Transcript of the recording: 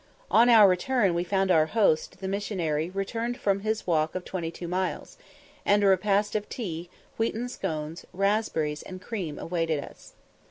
On our return we found our host, the missionary, returned from his walk of twenty two miles, and a repast of tea, wheaten scones, raspberries, and cream, awaited us.